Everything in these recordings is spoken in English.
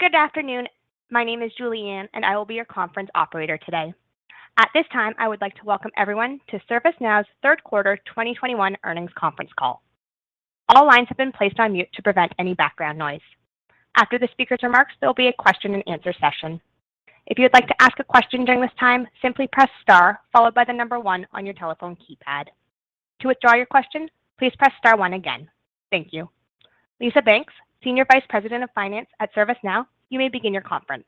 Good afternoon. My name is Julianne, and I will be your conference operator today. At this time, I would like to welcome everyone to ServiceNow's Third Quarter 2021 Earnings Conference Call. All lines have been placed on mute to prevent any background noise. After the speaker's remarks, there'll be a question-and-answer session. If you'd like to ask a question during this time, simply press star followed by the number one on your telephone keypad. To withdraw your question, please press star one again. Thank you. Lisa Banks, Senior Vice President of Finance at ServiceNow, you may begin your conference.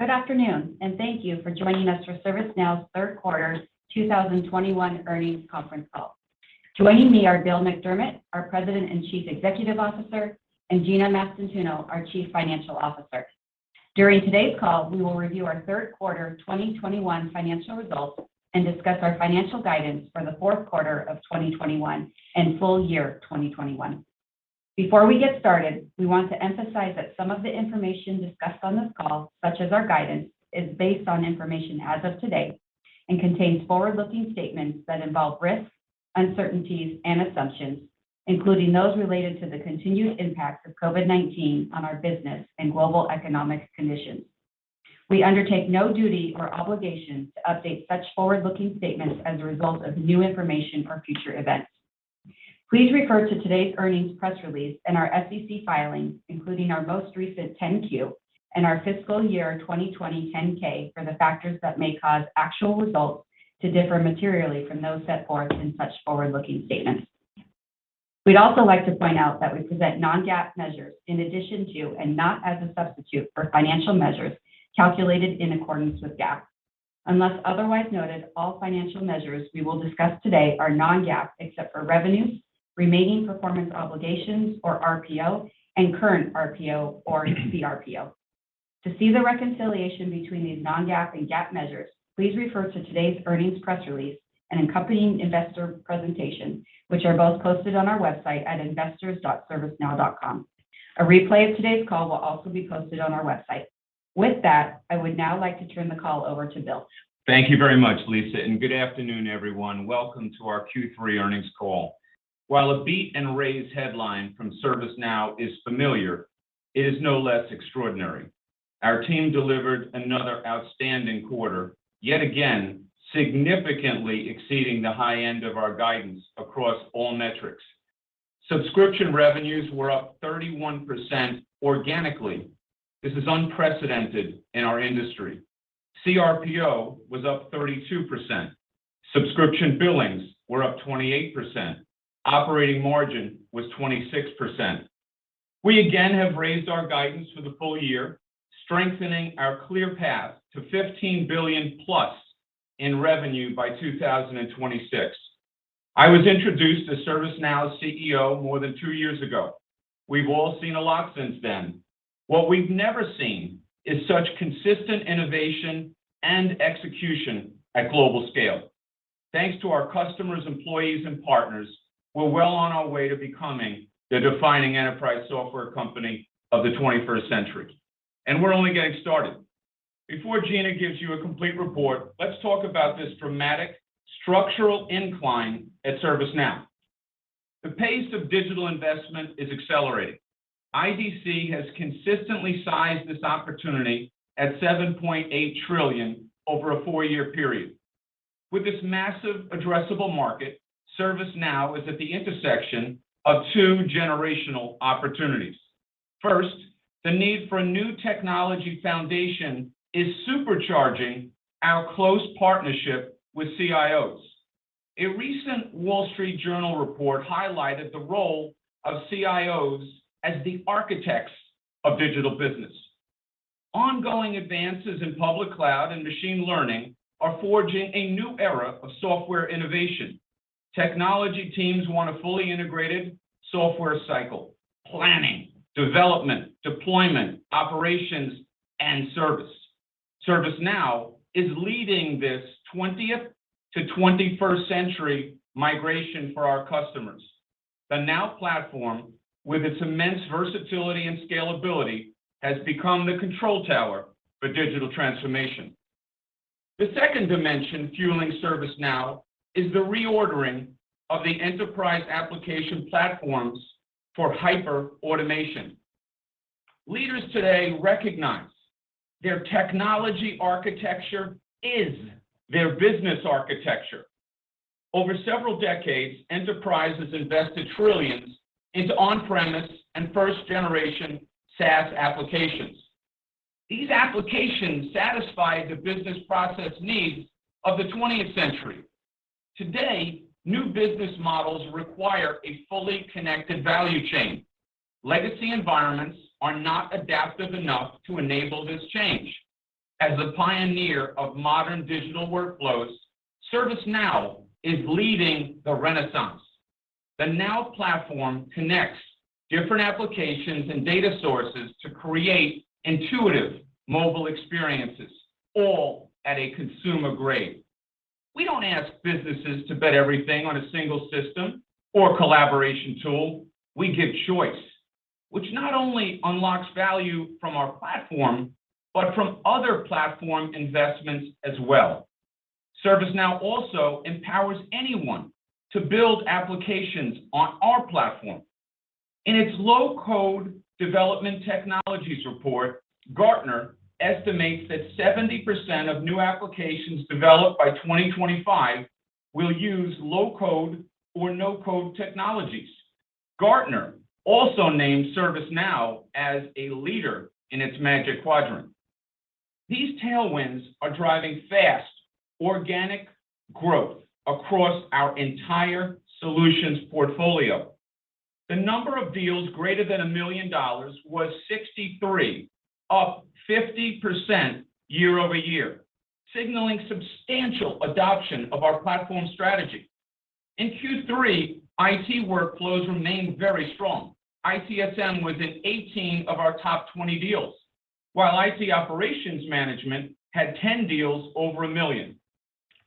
Good afternoon, and thank you for joining us for ServiceNow's Third Quarter 2021 Earnings Conference Call. Joining me are Bill McDermott, our President and Chief Executive Officer, and Gina Mastantuono, our Chief Financial Officer. During today's call, we will review our third quarter 2021 financial results and discuss our financial guidance for the fourth quarter of 2021 and full year 2021. Before we get started, we want to emphasize that some of the information discussed on this call, such as our guidance, is based on information as of today and contains forward-looking statements that involve risks, uncertainties, and assumptions, including those related to the continued impact of COVID-19 on our business and global economic conditions. We undertake no duty or obligation to update such forward-looking statements as a result of new information or future events. Please refer to today's earnings press release and our SEC filings, including our most recent 10-Q and our fiscal year 2020 10-K for the factors that may cause actual results to differ materially from those set forth in such forward-looking statements. We'd also like to point out that we present non-GAAP measures in addition to, and not as a substitute for, financial measures calculated in accordance with GAAP. Unless otherwise noted, all financial measures we will discuss today are non-GAAP, except for revenues, remaining performance obligations, or RPO, and current RPO, or CRPO. To see the reconciliation between these non-GAAP and GAAP measures, please refer to today's earnings press release and accompanying investor presentation, which are both posted on our website at investors.servicenow.com. A replay of today's call will also be posted on our website. With that, I would now like to turn the call over to Bill. Thank you very much, Lisa, and good afternoon, everyone. Welcome to our Q3 earnings call. While a beat and raise headline from ServiceNow is familiar, it is no less extraordinary. Our team delivered another outstanding quarter, yet again, significantly exceeding the high end of our guidance across all metrics. Subscription revenues were up 31% organically. This is unprecedented in our industry. CRPO was up 32%. Subscription billings were up 28%. Operating margin was 26%. We again have raised our guidance for the full year, strengthening our clear path to $15 billion plus in revenue by 2026. I was introduced as ServiceNow CEO more than two years ago. We've all seen a lot since then. What we've never seen is such consistent innovation and execution at global scale. Thanks to our customers, employees, and partners, we're well on our way to becoming the defining enterprise software company of the 21st century, and we're only getting started. Before Gina gives you a complete report, let's talk about this dramatic structural incline at ServiceNow. The pace of digital investment is accelerating. IDC has consistently sized this opportunity at 7.8 trillion over a four-year period. With this massive addressable market, ServiceNow is at the intersection of two generational opportunities. First, the need for a new technology foundation is supercharging our close partnership with CIOs. A recent Wall Street Journal report highlighted the role of CIOs as the architects of digital business. Ongoing advances in public cloud and machine learning are forging a new era of software innovation. Technology teams want a fully integrated software cycle, planning, development, deployment, operations, and service. ServiceNow is leading this 20th to 21st century migration for our customers. The Now Platform, with its immense versatility and scalability, has become the control tower for digital transformation. The second dimension fueling ServiceNow is the reordering of the enterprise application platforms for hyper-automation. Leaders today recognize their technology architecture is their business architecture. Over several decades, enterprises invested trillions into on-premise and first generation SaaS applications. These applications satisfied the business process needs of the 20th century. Today, new business models require a fully connected value chain. Legacy environments are not adaptive enough to enable this change. As a pioneer of modern digital workflows, ServiceNow is leading the renaissance. The Now Platform connects different applications and data sources to create intuitive mobile experiences, all at a consumer grade. We don't ask businesses to bet everything on a single system or collaboration tool. We give choice, which not only unlocks value from our platform, but from other platform investments as well. ServiceNow also empowers anyone to build applications on our platform. In its low-code development technologies report, Gartner estimates that 70% of new applications developed by 2025 will use low-code or no-code technologies. Gartner also named ServiceNow as a leader in its Magic Quadrant. These tailwinds are driving fast organic growth across our entire solutions portfolio. The number of deals greater than $1 million was 63, up 50% year-over-year, signaling substantial adoption of our platform strategy. In Q3, IT workflows remained very strong. ITSM was in 18 of our top 20 deals, while IT Operations Management had 10 deals over $1 million.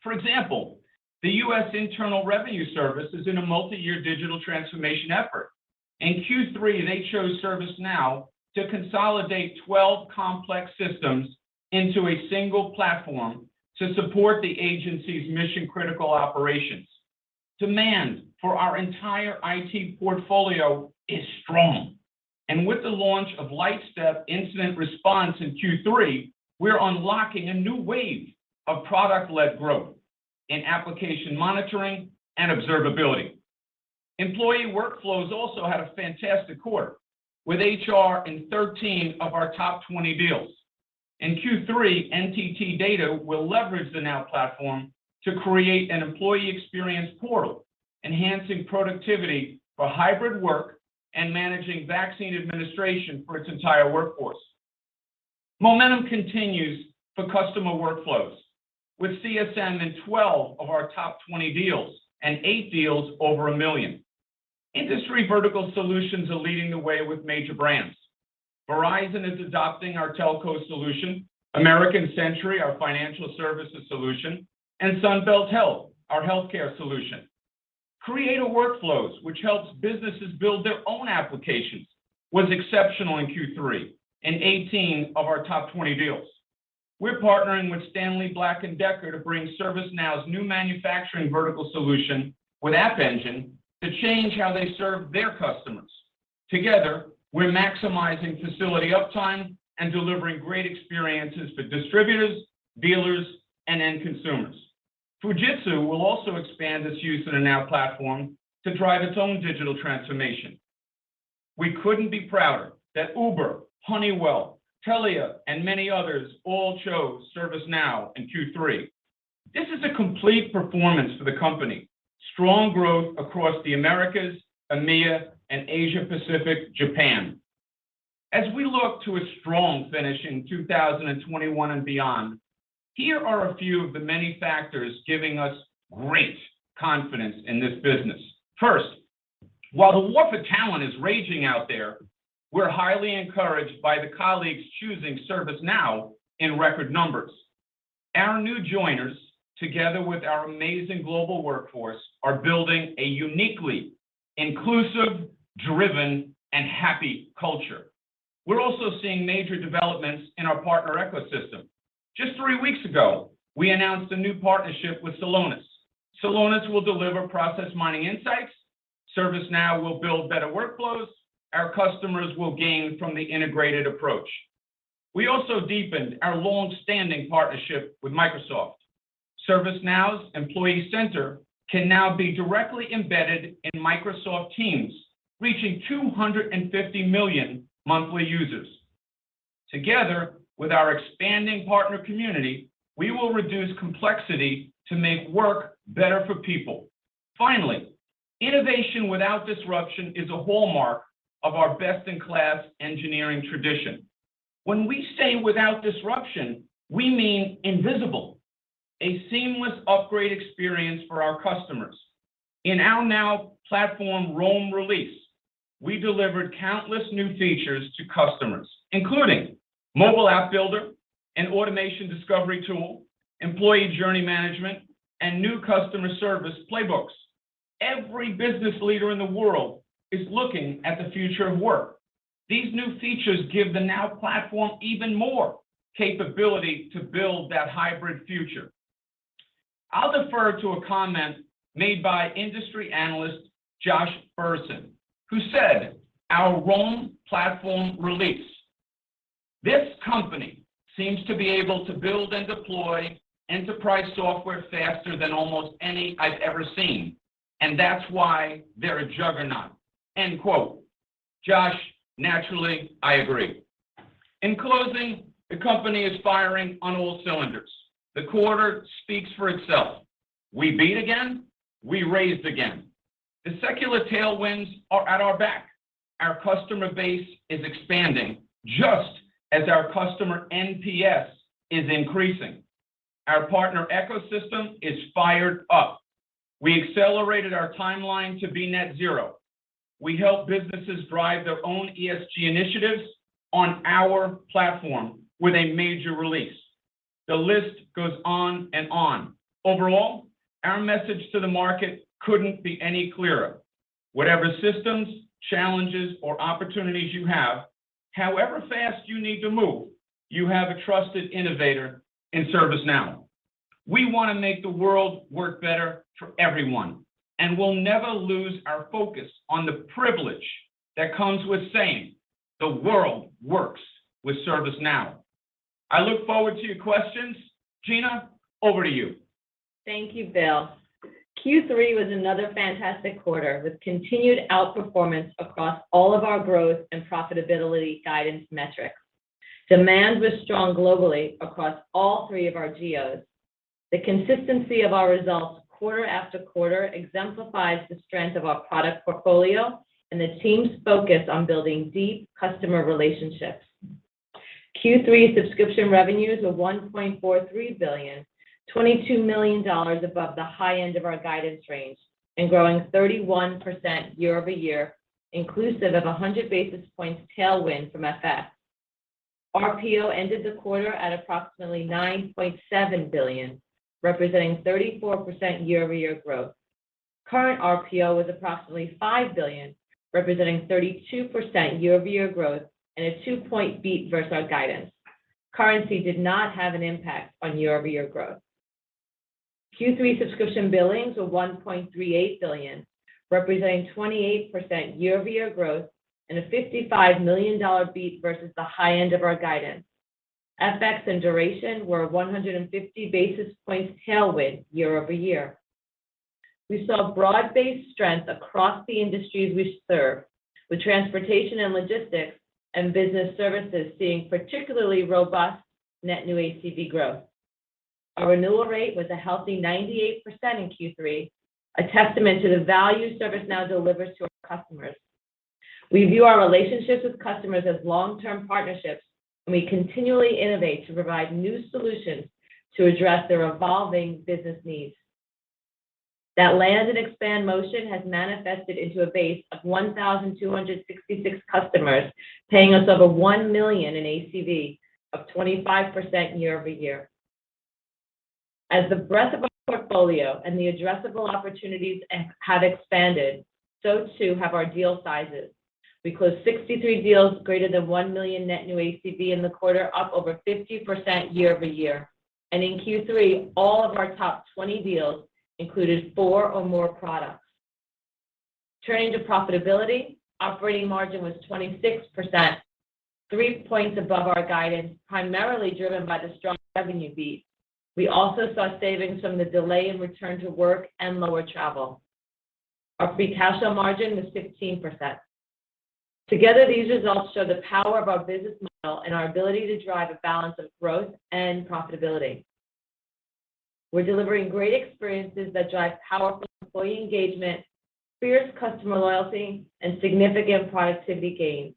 For example, the U.S. Internal Revenue Service is in a multi-year digital transformation effort. In Q3, they chose ServiceNow to consolidate 12 complex systems into a single platform to support the agency's mission-critical operations. Demand for our entire IT portfolio is strong. With the launch of Lightstep Incident Response in Q3, we're unlocking a new wave of product-led growth in application monitoring and observability. Employee workflows also had a fantastic quarter with HR in 13 of our top 20 deals. In Q3, NTT DATA will leverage the Now Platform to create an employee experience portal, enhancing productivity for hybrid work and managing vaccine administration for its entire workforce. Momentum continues for customer workflows with CSM in 12 of our top 20 deals and eight deals over $1 million. Industry vertical solutions are leading the way with major brands. Verizon is adopting our telco solution, American Century, our financial services solution, and Sunbelt Rentals, our healthcare solution. Creator Workflows, which helps businesses build their own applications, was exceptional in Q3 in 18 of our top 20 deals. We're partnering with Stanley Black & Decker to bring ServiceNow's new manufacturing vertical solution with App Engine to change how they serve their customers. Together, we're maximizing facility uptime and delivering great experiences for distributors, dealers, and end consumers. Fujitsu will also expand its use of the Now Platform to drive its own digital transformation. We couldn't be prouder that Uber, Honeywell, Telia, and many others all chose ServiceNow in Q3. This is a complete performance for the company. Strong growth across the Americas, EMEA, and Asia Pacific, Japan. As we look to a strong finish in 2021 and beyond, here are a few of the many factors giving us great confidence in this business. First, while the war for talent is raging out there, we're highly encouraged by the colleagues choosing ServiceNow in record numbers. Our new joiners, together with our amazing global workforce, are building a uniquely inclusive, driven, and happy culture. We're also seeing major developments in our partner ecosystem. Just three weeks ago, we announced a new partnership with Celonis. Celonis will deliver process mining insights. ServiceNow will build better workflows. Our customers will gain from the integrated approach. We also deepened our long-standing partnership with Microsoft. ServiceNow's Employee Center can now be directly embedded in Microsoft Teams, reaching 250 million monthly users. Together with our expanding partner community, we will reduce complexity to make work better for people. Finally, innovation without disruption is a hallmark of our best-in-class engineering tradition. When we say without disruption, we mean invisible, a seamless upgrade experience for our customers. In our Now Platform Rome release, we delivered countless new features to customers, including Mobile App Builder, an Automation Discovery tool, Employee Journey Management, and new customer service playbooks. Every business leader in the world is looking at the future of work. These new features give the Now Platform even more capability to build that hybrid future. I'll defer to a comment made by industry analyst Josh Bersin, who said, our Rome Platform release, "This company seems to be able to build and deploy enterprise software faster than almost any I've ever seen, and that's why they're a juggernaut." End quote. Josh, naturally, I agree. In closing, the company is firing on all cylinders. The quarter speaks for itself. We beat again, we raised again. The secular tailwinds are at our back. Our customer base is expanding just as our customer NPS is increasing. Our partner ecosystem is fired up. We accelerated our timeline to be net zero. We help businesses drive their own ESG initiatives on our platform with a major release. The list goes on and on. Overall, our message to the market couldn't be any clearer. Whatever systems, challenges, or opportunities you have, however fast you need to move, you have a trusted innovator in ServiceNow. We wanna make the world work better for everyone, and we'll never lose our focus on the privilege that comes with saying the world works with ServiceNow. I look forward to your questions. Gina, over to you. Thank you, Bill. Q3 was another fantastic quarter with continued outperformance across all of our growth and profitability guidance metrics. Demand was strong globally across all three of our geos. The consistency of our results quarter after quarter exemplifies the strength of our product portfolio and the team's focus on building deep customer relationships. Q3 subscription revenues of $1.43 billion, $22 million above the high end of our guidance range and growing 31% year-over-year, inclusive of 100 basis points tailwind from FX. RPO ended the quarter at approximately $9.7 billion, representing 34% year-over-year growth. Current RPO was approximately $5 billion, representing 32% year-over-year growth and a two-point beat versus our guidance. Currency did not have an impact on year-over-year growth. Q3 subscription billings were $1.38 billion, representing 28% year-over-year growth and a $55 million beat versus the high end of our guidance. FX and duration were a 150 basis points tailwind year over year. We saw broad-based strength across the industries we serve, with transportation and logistics and business services seeing particularly robust net new ACV growth. Our renewal rate was a healthy 98% in Q3, a testament to the value ServiceNow delivers to our customers. We view our relationships with customers as long-term partnerships, and we continually innovate to provide new solutions to address their evolving business needs. That land and expand motion has manifested into a base of 1,266 customers, paying us over $1 million in ACV, up 25% year over year. As the breadth of our portfolio and the addressable opportunities have expanded, so too have our deal sizes. We closed 63 deals greater than $1 million net new ACV in the quarter, up over 50% year-over-year. In Q3, all of our top 20 deals included four or more products. Turning to profitability, operating margin was 26%, three points above our guidance, primarily driven by the strong revenue beat. We also saw savings from the delay in return to work and lower travel. Our free cash flow margin was 15%. Together, these results show the power of our business model and our ability to drive a balance of growth and profitability. We're delivering great experiences that drive powerful employee engagement, fierce customer loyalty, and significant productivity gains.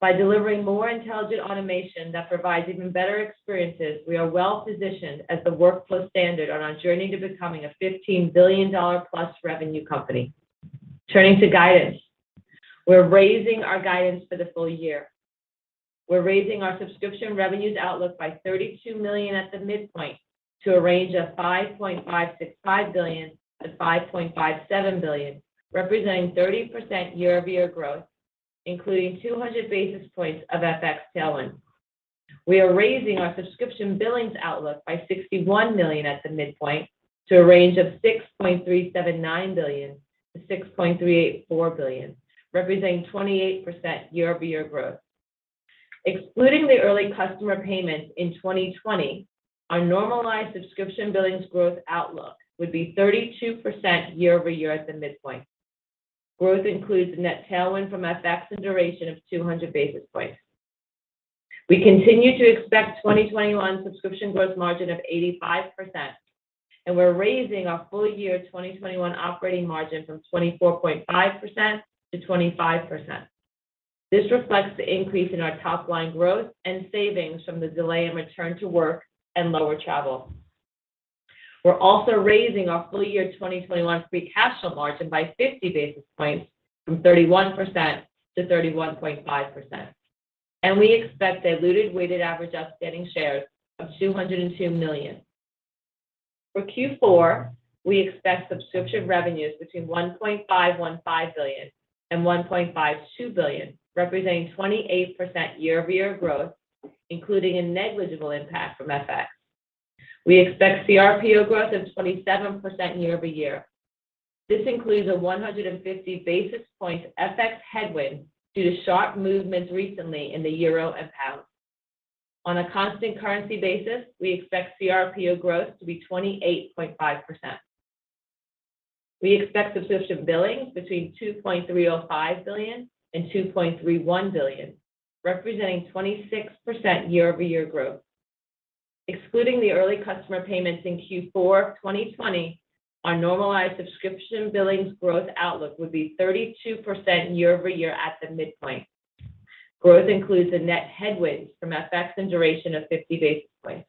By delivering more intelligent automation that provides even better experiences, we are well-positioned as the workflow standard on our journey to becoming a $15 billion plus revenue company. Turning to guidance, we're raising our guidance for the full year. We're raising our subscription revenues outlook by $32 million at the midpoint to a range of $5.565 billion-$5.57 billion, representing 30% year-over-year growth, including 200 basis points of FX tailwind. We are raising our subscription billings outlook by $61 million at the midpoint to a range of $6.379 billion-$6.384 billion, representing 28% year-over-year growth. Excluding the early customer payments in 2020, our normalized subscription billings growth outlook would be 32% year-over-year at the midpoint. Growth includes a net tailwind from FX and duration of 200 basis points. We continue to expect 2021 subscription growth margin of 85%, and we're raising our full-year 2021 operating margin from 24.5% to 25%. This reflects the increase in our top-line growth and savings from the delay in return to work and lower travel. We're also raising our full-year 2021 free cash flow margin by 50 basis points from 31% to 31.5%. We expect a diluted weighted average outstanding shares of 202 million. For Q4, we expect subscription revenues between $1.515 billion and $1.52 billion, representing 28% year-over-year growth, including a negligible impact from FX. We expect CRPO growth of 27% year-over-year. This includes a 150 basis points FX headwind due to sharp movements recently in the euro and pound. On a constant currency basis, we expect CRPO growth to be 28.5%. We expect subscription billings between $2.305 billion and $2.31 billion, representing 26% year-over-year growth. Excluding the early customer payments in Q4 2020, our normalized subscription billings growth outlook would be 32% year-over-year at the midpoint. Growth includes a net headwind from FX and duration of 50 basis points.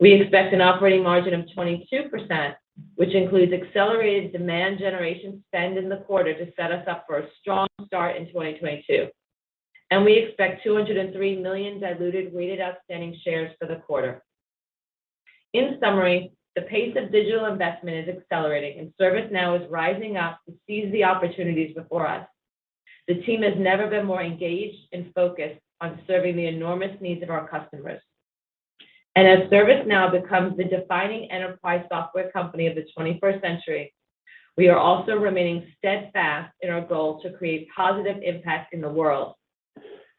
We expect an operating margin of 22%, which includes accelerated demand generation spend in the quarter to set us up for a strong start in 2022. We expect 203 million diluted weighted outstanding shares for the quarter. In summary, the pace of digital investment is accelerating and ServiceNow is rising up to seize the opportunities before us. The team has never been more engaged and focused on serving the enormous needs of our customers. As ServiceNow becomes the defining enterprise software company of 21st century, we are also remaining steadfast in our goal to create positive impact in the world.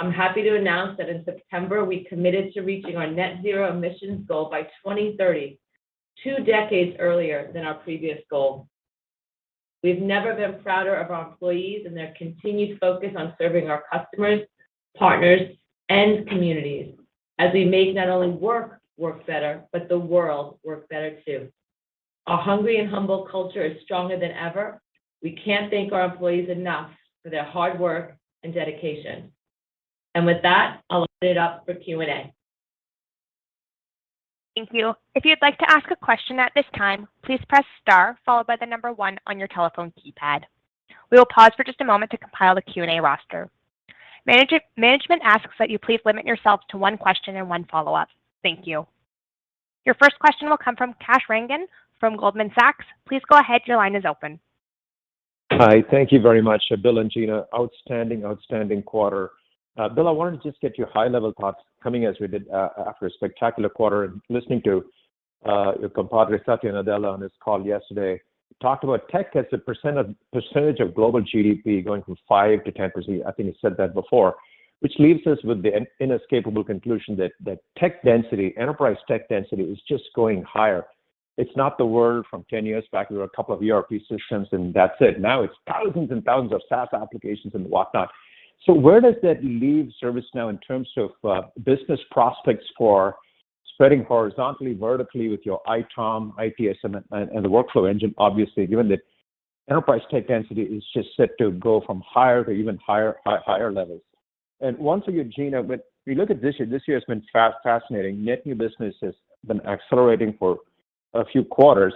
I'm happy to announce that in September, we committed to reaching our net zero emissions goal by 2030, two decades earlier than our previous goal. We've never been prouder of our employees and their continued focus on serving our customers, partners, and communities as we make not only work, work better, but the world work better too. Our hungry and humble culture is stronger than ever. We can't thank our employees enough for their hard work and dedication. With that, I'll open it up for Q&A. Thank you. If you'd like to ask a question at this time, please press star followed by the number one on your telephone keypad. We will pause for just a moment to compile the Q&A roster. Management asks that you please limit yourself to one question and one follow-up. Thank you. Your first question will come from Kash Rangan from Goldman Sachs. Please go ahead. Your line is open. Hi. Thank you very much, Bill and Gina. Outstanding quarter. Bill, I wanted to just get your high-level thoughts coming as we did after a spectacular quarter and listening to your compadre, Satya Nadella, on his call yesterday. He talked about tech as a percentage of global GDP going from 5%-10%. I think he said that before, which leaves us with the inescapable conclusion that tech density, enterprise tech density is just going higher. It's not the world from 10 years back. There were a couple of ERP systems, and that's it. Now, it's thousands and thousands of SaaS applications and whatnot. Where does that leave ServiceNow in terms of business prospects for spreading horizontally, vertically with your ITOM, ITSM, and the workflow engine, obviously, given that enterprise tech density is just set to go from higher to even higher levels? One for you, Gina. When we look at this year, this year has been fascinating. Net new business has been accelerating for a few quarters.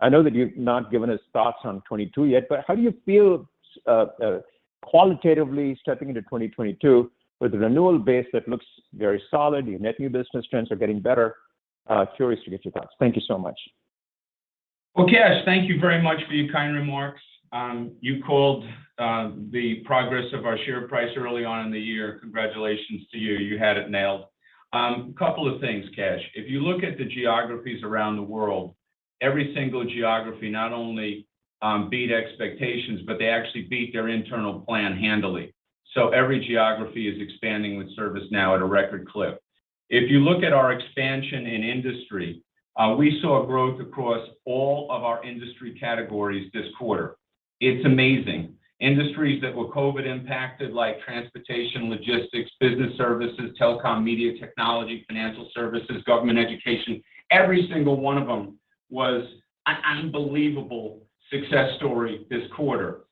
I know that you've not given us thoughts on 2022 yet, but how do you feel qualitatively stepping into 2022 with a renewal base that looks very solid? Your net new business trends are getting better. Curious to get your thoughts. Thank you so much. Well, Kash, thank you very much for your kind remarks. You called the progress of our share price early on in the year. Congratulations to you. You had it nailed. A couple of things, Kash. If you look at the geographies around the world, every single geography not only beat expectations, but they actually beat their internal plan handily. Every geography is expanding with ServiceNow at a record clip. If you look at our expansion in industry, we saw growth across all of our industry categories this quarter. It's amazing. Industries that were COVID impacted, like transportation, logistics, business services, telecom, media, technology, financial services, government, education, every single one of them was an unbelievable success story this quarter.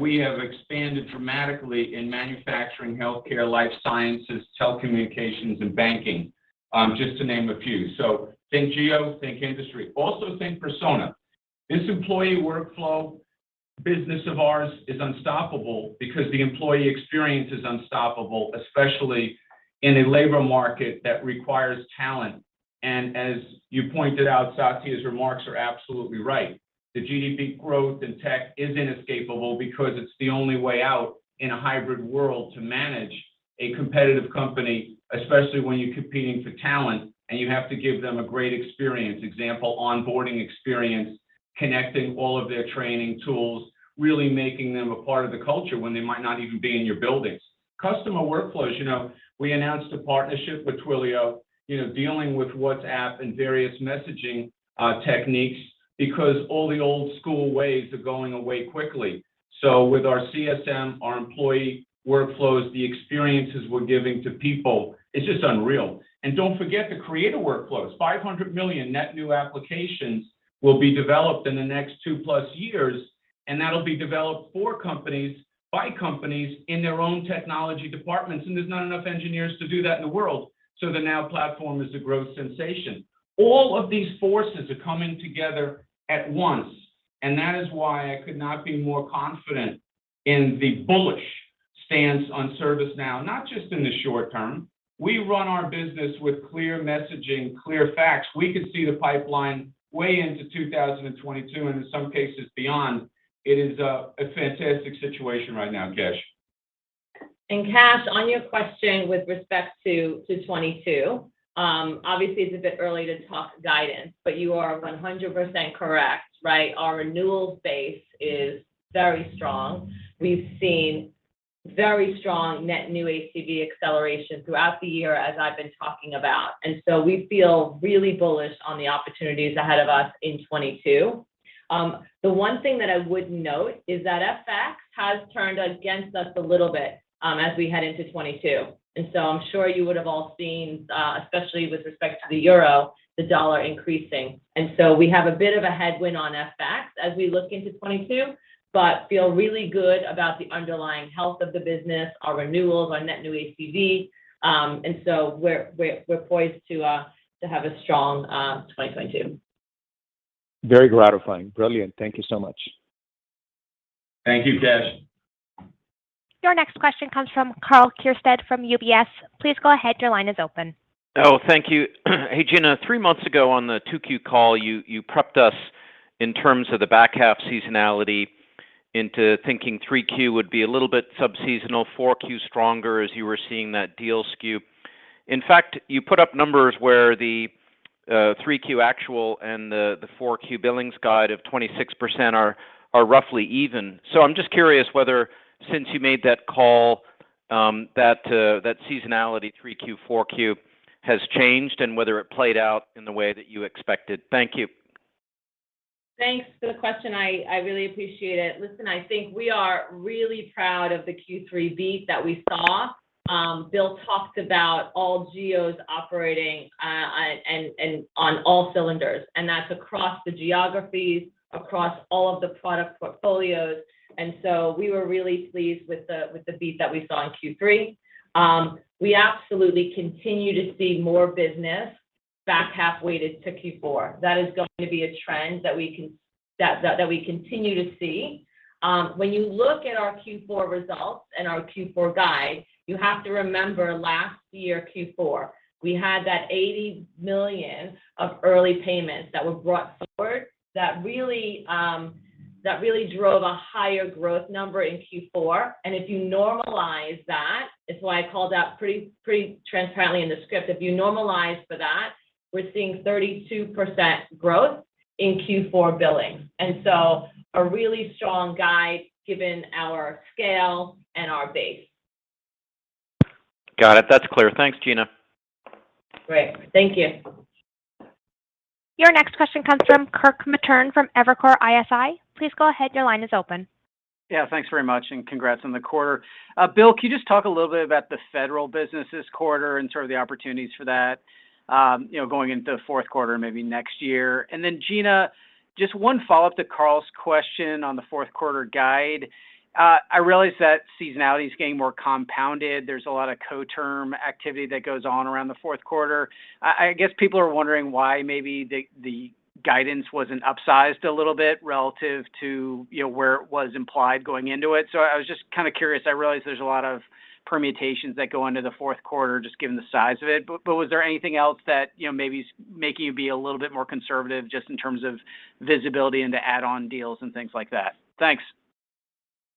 We have expanded dramatically in manufacturing, healthcare, life sciences, telecommunications, and banking, just to name a few. Think geo, think industry. Also, think persona. This employee workflow business of ours is unstoppable because the employee experience is unstoppable, especially in a labor market that requires talent. As you pointed out, Satya's remarks are absolutely right. The GDP growth in tech is inescapable because it's the only way out in a hybrid world to manage a competitive company, especially when you're competing for talent, and you have to give them a great experience. Example, onboarding experience, connecting all of their training tools, really making them a part of the culture when they might not even be in your buildings. Customer workflows, you know, we announced a partnership with Twilio, you know, dealing with WhatsApp and various messaging techniques because all the old school ways are going away quickly. With our CSM, our employee workflows, the experiences we're giving to people, it's just unreal. Don't forget the Creator Workflows. 500 million net new applications will be developed in the next two plus years, and that'll be developed for companies by companies in their own technology departments, and there's not enough engineers to do that in the world. The Now Platform is a growth sensation. All of these forces are coming together at once, and that is why I could not be more confident in the bullish stance on ServiceNow, not just in the short term. We run our business with clear messaging, clear facts. We can see the pipeline way into 2022, and in some cases beyond. It is a fantastic situation right now, Kash. Kash, on your question with respect to 2022, obviously, it's a bit early to talk guidance, but you are 100% correct, right? Our renewal base is very strong. We've seen very strong net new ACV acceleration throughout the year, as I've been talking about. We feel really bullish on the opportunities ahead of us in 2022. The one thing that I would note is that FX has turned against us a little bit, as we head into 2022. I'm sure you would have all seen, especially with respect to the euro, the dollar increasing. We have a bit of a headwind on FX as we look into 2022, but feel really good about the underlying health of the business, our renewals, our net new ACV. We're poised to have a strong 2022. Very gratifying. Brilliant. Thank you so much. Thank you, Kash. Your next question comes from Karl Keirstead from UBS. Please go ahead. Your line is open. Thank you. Hey, Gina. Three months ago on the 2Q call, you prepped us in terms of the back half seasonality into thinking 3Q would be a little bit sub-seasonal, 4Q stronger as you were seeing that deal skew. In fact, you put up numbers where the 3Q actual and the 4Q billings guide of 26% are roughly even. I'm just curious whether since you made that call, that seasonality 3Q, 4Q has changed and whether it played out in the way that you expected. Thank you. Thanks for the question. I really appreciate it. Listen, I think we are really proud of the Q3 beat that we saw. Bill talked about all geos operating and on all cylinders, and that's across the geographies, across all of the product portfolios. We were really pleased with the beat that we saw in Q3. We absolutely continue to see more business back half weighted to Q4. That is going to be a trend that we continue to see. When you look at our Q4 results and our Q4 guide, you have to remember last year Q4, we had that $80 million of early payments that were brought forward that really drove a higher growth number in Q4. If you normalize that, it's why I called out pretty transparently in the script, if you normalize for that, we're seeing 32% growth in Q4 billing. A really strong guide given our scale and our base. Got it. That's clear. Thanks, Gina. Great. Thank you. Your next question comes from Kirk Materne from Evercore ISI. Please go ahead. Your line is open. Yeah. Thanks very much, and congrats on the quarter. Bill, can you just talk a little bit about the federal business this quarter and sort of the opportunities for that, you know, going into the fourth quarter, maybe next year? And then Gina, just one follow-up to Karl's question on the fourth quarter guide. I realize that seasonality is getting more compounded. There's a lot of co-term activity that goes on around the fourth quarter. I guess people are wondering why maybe the guidance wasn't upsized a little bit relative to, you know, where it was implied going into it. I was just kind of curious. I realize there's a lot of permutations that go into the fourth quarter just given the size of it. was there anything else that, you know, maybe making you be a little bit more conservative just in terms of visibility into add-on deals and things like that? Thanks.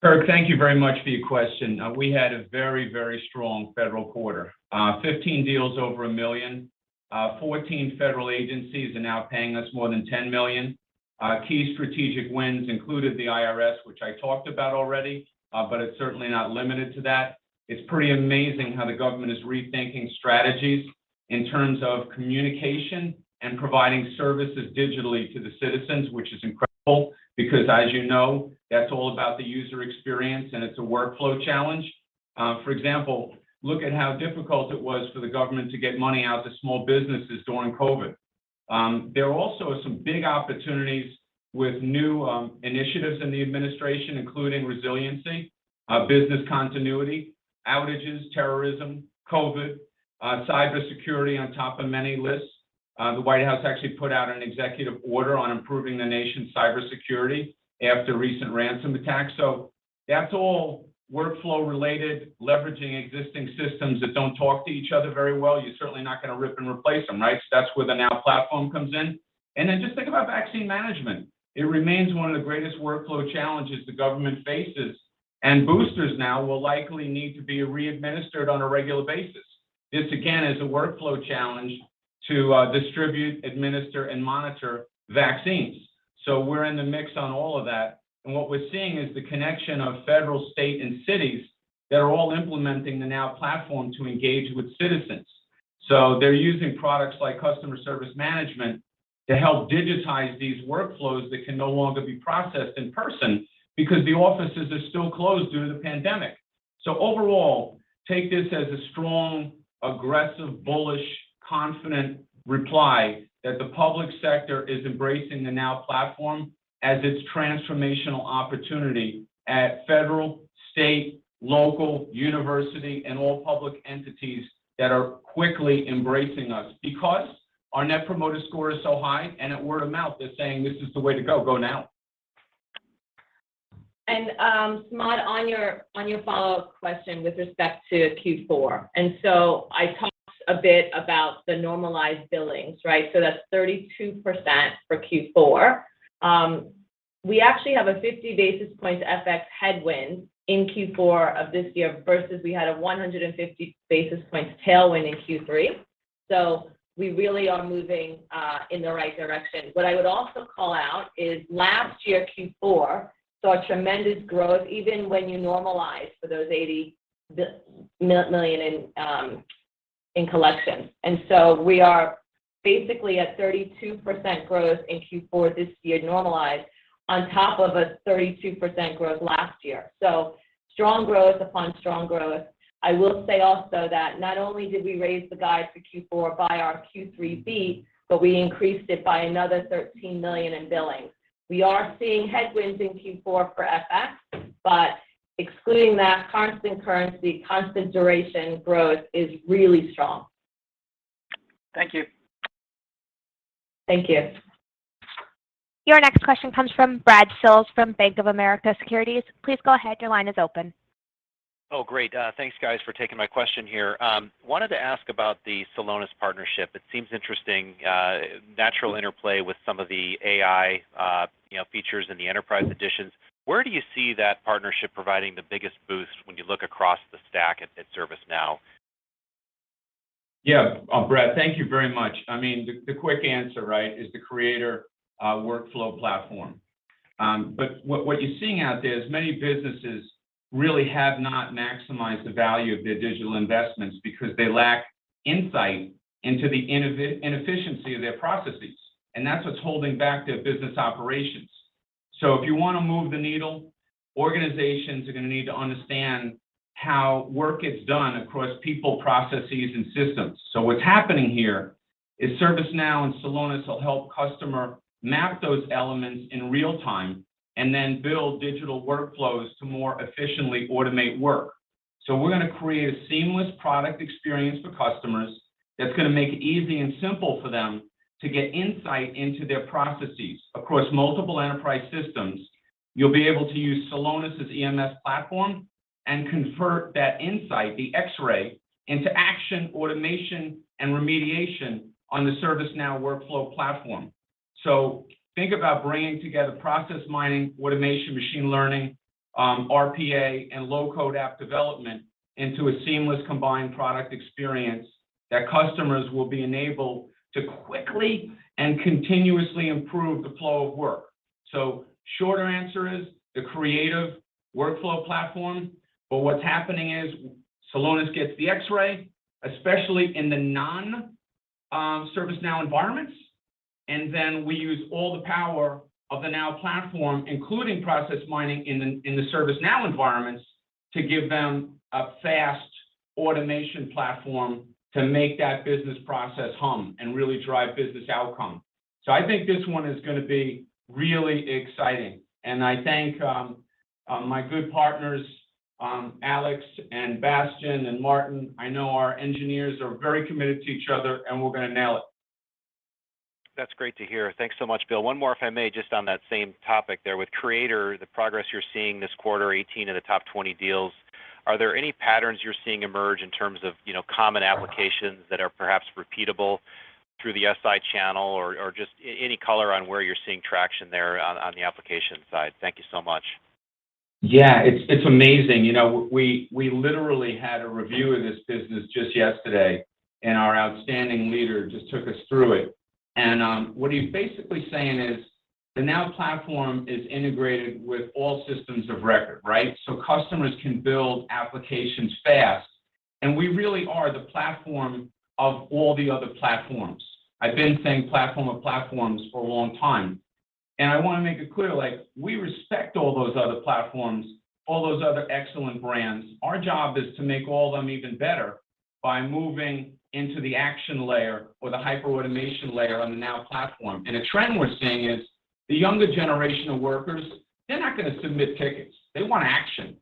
Kirk, thank you very much for your question. We had a very, very strong federal quarter. 15 deals over $1 million, 14 federal agencies are now paying us more than $10 million. Key strategic wins included the IRS, which I talked about already, but it's certainly not limited to that. It's pretty amazing how the government is rethinking strategies in terms of communication and providing services digitally to the citizens, which is incredible because as you know, that's all about the user experience, and it's a workflow challenge. For example, look at how difficult it was for the government to get money out to small businesses during COVID. There are also some big opportunities with new initiatives in the administration, including resiliency, business continuity, outages, terrorism, COVID, cybersecurity on top of many lists. The White House actually put out an executive order on improving the nation's cybersecurity after recent ransomware attacks. That's all workflow related, leveraging existing systems that don't talk to each other very well. You're certainly not gonna rip and replace them, right? That's where the Now Platform comes in. Just think about vaccine management. It remains one of the greatest workflow challenges the government faces, and boosters now will likely need to be readministered on a regular basis. This again is a workflow challenge to distribute, administer, and monitor vaccines. We're in the mix on all of that. What we're seeing is the connection of federal, state, and cities that are all implementing the Now Platform to engage with citizens. They're using products like Customer Service Management to help digitize these workflows that can no longer be processed in person because the offices are still closed due to the pandemic. Overall, take this as a strong, aggressive, bullish, confident reply that the public sector is embracing the Now Platform as its transformational opportunity at federal, state, local, university, and all public entities that are quickly embracing us because our net promoter score is so high, and at word of mouth, they're saying, "This is the way to go. Go Now." On your follow-up question with respect to Q4, I talked a bit about the normalized billings, right? That's 32% for Q4. We actually have a 50 basis points FX headwind in Q4 of this year versus we had a 150 basis points tailwind in Q3. We really are moving in the right direction. What I would also call out is last year, Q4, saw tremendous growth even when you normalize for those $80 million in collections. We are basically at 32% growth in Q4 this year normalized on top of a 32% growth last year. Strong growth upon strong growth. I will say also that not only did we raise the guide for Q4 by our Q3 beat, but we increased it by another $13 million in billings. We are seeing headwinds in Q4 for FX, but excluding that constant currency, constant duration growth is really strong. Thank you. Thank you. Your next question comes from Brad Sills from Bank of America Securities. Please go ahead. Your line is open. Oh, great. Thanks guys for taking my question here. Wanted to ask about the Celonis partnership. It seems interesting, natural interplay with some of the AI, you know, features in the enterprise editions. Where do you see that partnership providing the biggest boost when you look across the stack at ServiceNow? Yeah. Brad, thank you very much. I mean, the quick answer, right, is the Creator Workflow platform. What you're seeing out there is many businesses really have not maximized the value of their digital investments because they lack insight into the inefficiency of their processes, and that's what's holding back their business operations. If you wanna move the needle, organizations are gonna need to understand how work gets done across people, processes, and systems. What's happening here is ServiceNow and Celonis will help customers map those elements in real time and then build digital workflows to more efficiently automate work. We're gonna create a seamless product experience for customers that's gonna make it easy and simple for them to get insight into their processes. Across multiple enterprise systems, you'll be able to use Celonis' EMS platform and convert that insight, the X-ray, into action, automation, and remediation on the ServiceNow workflow platform. Think about bringing together process mining, automation, machine learning, RPA, and low-code app development into a seamless combined product experience that customers will be enabled to quickly and continuously improve the flow of work. Shorter answer is the Creator Workflows platform. What's happening is Celonis gets the X-ray, especially in the non-ServiceNow environments, and then we use all the power of the Now Platform, including process mining in the ServiceNow environments, to give them a fast automation platform to make that business process hum and really drive business outcome. I think this one is gonna be really exciting, and I thank my good partners Alex and Bastian and Martin. I know our engineers are very committed to each other, and we're gonna nail it. That's great to hear. Thanks so much, Bill. One more, if I may, just on that same topic there. With Creator, the progress you're seeing this quarter, 18 of the top 20 deals, are there any patterns you're seeing emerge in terms of, you know, common applications that are perhaps repeatable through the SI channel or just any color on where you're seeing traction there on the application side? Thank you so much. Yeah. It's amazing. You know, we literally had a review of this business just yesterday, and our outstanding leader just took us through it. What he's basically saying is the Now Platform is integrated with all systems of record, right? Customers can build applications fast, and we really are the platform of all the other platforms. I've been saying platform of platforms for a long time, and I wanna make it clear, like we respect all those other platforms, all those other excellent brands. Our job is to make all of them even better by moving into the action layer or the hyper-automation layer on the Now Platform. A trend we're seeing is the younger generation of workers, they're not gonna submit tickets. They want action.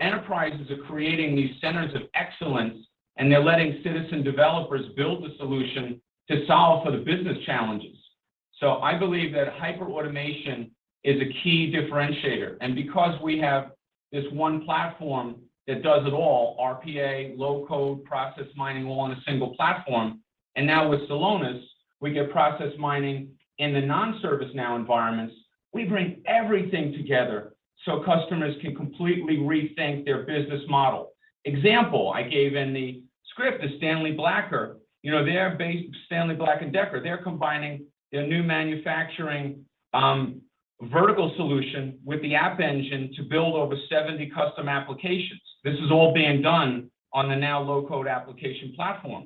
Enterprises are creating these centers of excellence, and they're letting citizen developers build the solution to solve for the business challenges. I believe that hyper-automation is a key differentiator. Because we have this one platform that does it all, RPA, low-code, process mining, all on a single platform, and now with Celonis, we get process mining in the non-ServiceNow environments. We bring everything together so customers can completely rethink their business model. Example I gave in the script is Stanley Black & Decker. You know, they're combining their new manufacturing vertical solution with the App Engine to build over 70 custom applications. This is all being done on the Now low-code application platform.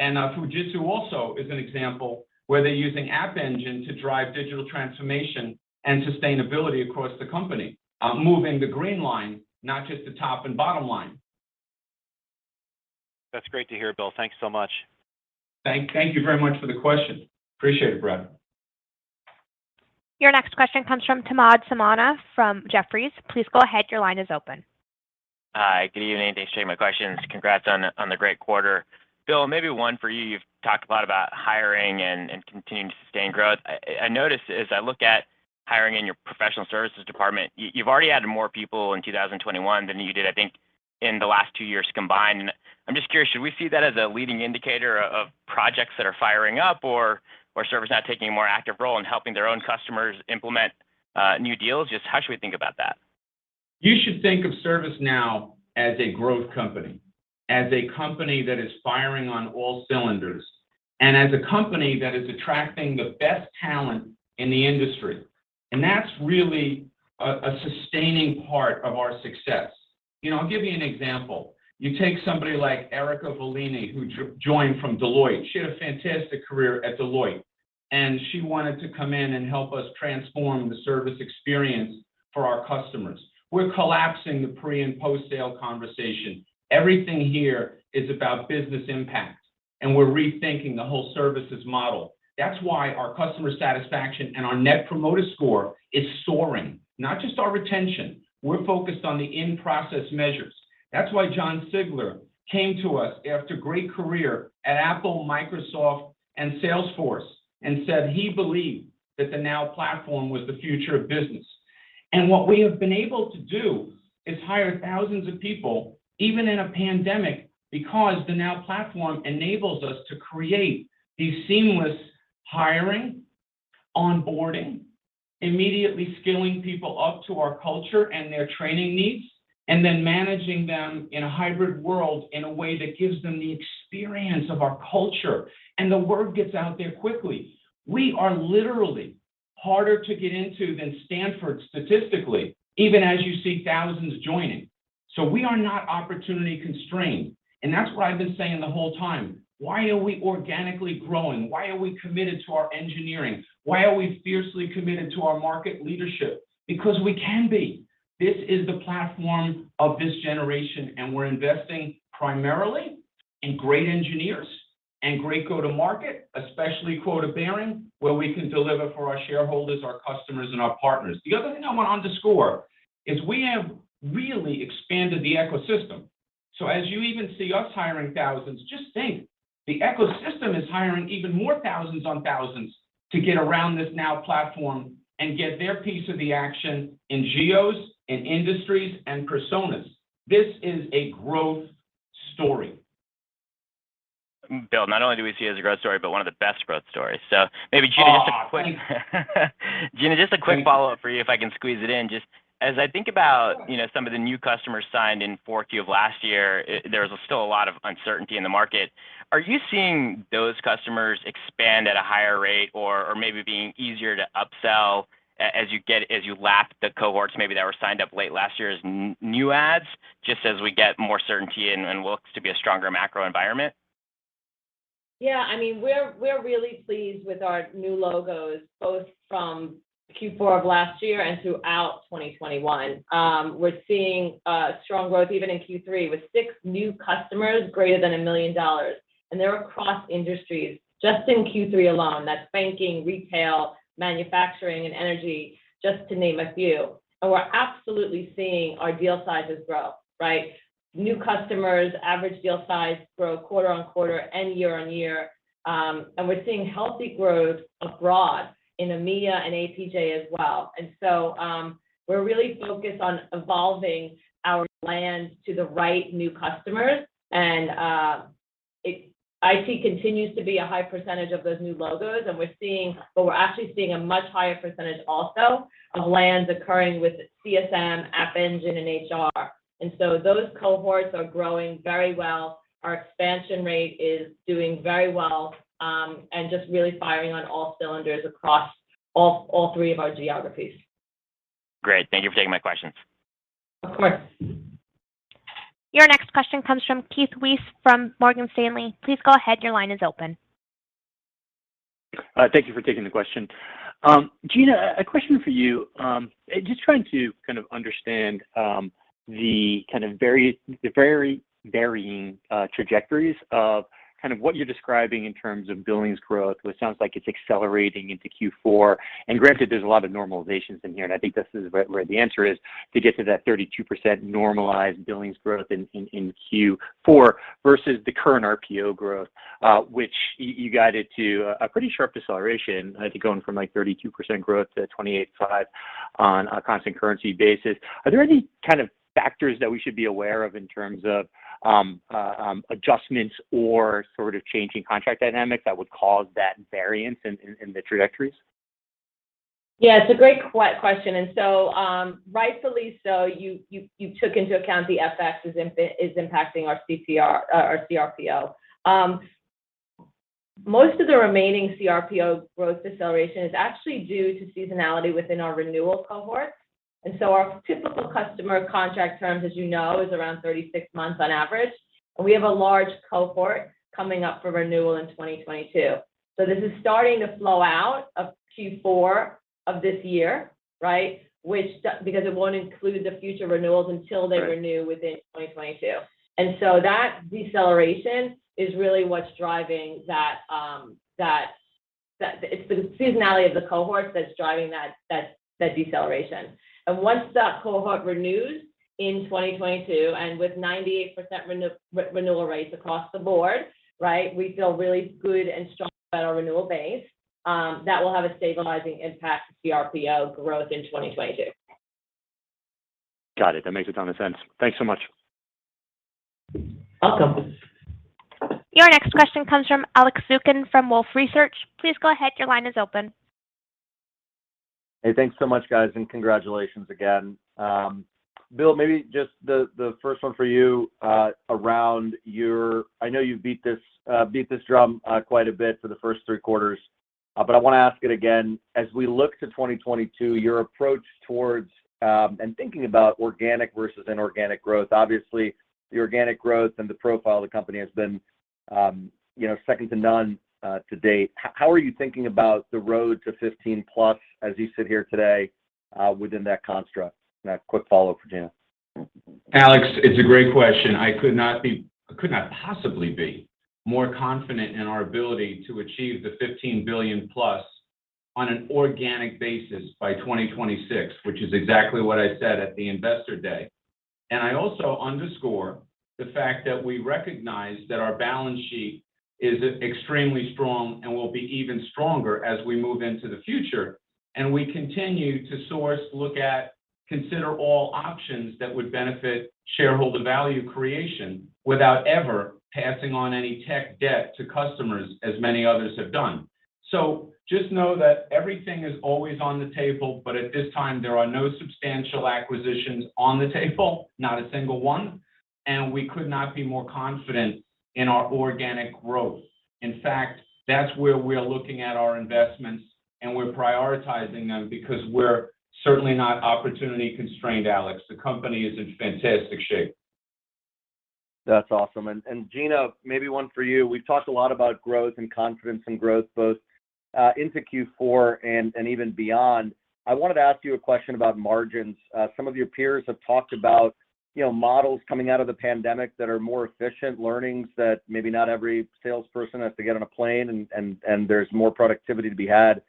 Fujitsu also is an example where they're using App Engine to drive digital transformation and sustainability across the company, moving the green line, not just the top and bottom line. That's great to hear, Bill. Thank you so much. Thank you very much for the question. Appreciate it, Brad. Your next question comes from Samad Samana from Jefferies. Please go ahead. Your line is open. Hi, good evening. Thanks for taking my questions. Congrats on the great quarter. Bill, maybe one for you. You've talked a lot about hiring and continuing to sustain growth. I noticed as I look at hiring in your professional services department, you've already added more people in 2021 than you did, I think, in the last two years combined. I'm just curious, should we see that as a leading indicator of projects that are firing up or ServiceNow taking a more active role in helping their own customers implement new deals? Just how should we think about that? You should think of ServiceNow as a growth company, as a company that is firing on all cylinders, and as a company that is attracting the best talent in the industry, and that's really a sustaining part of our success. You know, I'll give you an example. You take somebody like Erica Volini, who joined from Deloitte. She had a fantastic career at Deloitte, and she wanted to come in and help us transform the service experience for our customers. We're collapsing the pre- and post-sale conversation. Everything here is about business impact, and we're rethinking the whole services model. That's why our customer satisfaction and our net promoter score is soaring. Not just our retention, we're focused on the in-process measures. That's why Jon Sigler came to us after a great career at Apple, Microsoft, and Salesforce, and said he believed that the Now Platform was the future of business. What we have been able to do is hire thousands of people, even in a pandemic, because the Now Platform enables us to create these seamless hiring, onboarding, immediately skilling people up to our culture and their training needs, and then managing them in a hybrid world in a way that gives them the experience of our culture. The word gets out there quickly. We are literally harder to get into than Stanford statistically, even as you see thousands joining. We are not opportunity-constrained, and that's what I've been saying the whole time. Why are we organically growing? Why are we committed to our engineering? Why are we fiercely committed to our market leadership? Because we can be. This is the platform of this generation, and we're investing primarily in great engineers and great go-to-market, especially quota-bearing, where we can deliver for our shareholders, our customers, and our partners. The other thing I wanna underscore is we have really expanded the ecosystem. As you even see us hiring thousands, just think, the ecosystem is hiring even more thousands on thousands to get around this Now Platform and get their piece of the action in geos, in industries, and personas. This is a growth story. Bill, not only do we see it as a growth story, but one of the best growth stories. Aw, thank you. Gina, just a quick follow-up for you, if I can squeeze it in. Just as I think about, you know, some of the new customers signed in 4Q of last year, there's still a lot of uncertainty in the market. Are you seeing those customers expand at a higher rate or maybe being easier to upsell as you get, as you lap the cohorts maybe that were signed up late last year as new adds, just as we get more certainty and what looks to be a stronger macro environment? Yeah, I mean, we're really pleased with our new logos, both from Q4 of last year and throughout 2021. We're seeing strong growth even in Q3, with six new customers greater than $1 million. They're across industries. Just in Q3 alone, that's banking, retail, manufacturing, and energy, just to name a few. We're absolutely seeing our deal sizes grow, right? New customers, average deal size grow quarter on quarter and year-on-year. We're seeing healthy growth abroad in EMEA and APJ as well. We're really focused on evolving our land to the right new customers, IT continues to be a high percentage of those new logos, but we're actually seeing a much higher percentage also of lands occurring with CSM, App Engine, and HR. Those cohorts are growing very well. Our expansion rate is doing very well, and just really firing on all cylinders across all three of our geographies. Great. Thank you for taking my questions. Of course. Your next question comes from Keith Weiss from Morgan Stanley. Please go ahead, your line is open. Thank you for taking the question. Gina, a question for you. Just trying to kind of understand the very varying trajectories of kind of what you're describing in terms of billings growth. It sounds like it's accelerating into Q4. Granted, there's a lot of normalizations in here, and I think this is where the answer is to get to that 32% normalized billings growth in Q4 versus the current RPO growth, which you guided to a pretty sharp deceleration, I think going from like 32% growth to 28.5% on a constant currency basis. Are there any kind of factors that we should be aware of in terms of adjustments or sort of changing contract dynamics that would cause that variance in the trajectories? Yeah, it's a great question. Rightfully so, you took into account the FX is impacting our CRPO. Most of the remaining CRPO growth deceleration is actually due to seasonality within our renewal cohort. Our typical customer contract terms, as you know, is around 36 months on average. We have a large cohort coming up for renewal in 2022. This is starting to flow out of Q4 of this year, right? Which because it won't include the future renewals until they renew within 2022. That deceleration is really what's driving that. It's the seasonality of the cohort that's driving that deceleration. Once that cohort renews in 2022, and with 98% renewal rates across the board, right? We feel really good and strong about our renewal base. That will have a stabilizing impact to CRPO growth in 2022. Got it. That makes a ton of sense. Thanks so much. Welcome. Your next question comes from Alex Zukin from Wolfe Research. Please go ahead, your line is open. Hey, thanks so much, guys, and congratulations again. Bill, maybe just the first one for you around your, I know you've beat this drum quite a bit for the first three quarters, but I wanna ask it again. As we look to 2022, your approach towards and thinking about organic versus inorganic growth, obviously the organic growth and the profile of the company has been, you know, second to none to date. How are you thinking about the road to $15 billion plus as you sit here today within that construct? And a quick follow for Gina. Alex, it's a great question. I could not possibly be more confident in our ability to achieve the $15 billion plus on an organic basis by 2026, which is exactly what I said at the investor day. I also underscore the fact that we recognize that our balance sheet is extremely strong and will be even stronger as we move into the future. We continue to source, look at, consider all options that would benefit shareholder value creation without ever passing on any tech debt to customers, as many others have done. Just know that everything is always on the table, but at this time there are no substantial acquisitions on the table, not a single one. We could not be more confident in our organic growth. In fact, that's where we're looking at our investments, and we're prioritizing them because we're certainly not opportunity constrained, Alex. The company is in fantastic shape. That's awesome. Gina, maybe one for you. We've talked a lot about growth and confidence and growth both into Q4 and even beyond. I wanted to ask you a question about margins. Some of your peers have talked about, you know, models coming out of the pandemic that are more efficient learnings that maybe not every salesperson has to get on a plane and there's more productivity to be had,